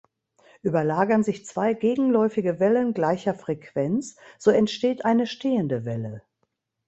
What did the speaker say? Überlagern sich zwei gegenläufige Wellen gleicher Frequenz, so entsteht eine stehende Welle.